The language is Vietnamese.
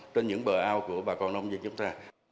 trên những bờ ao của bà con nông dân chúng ta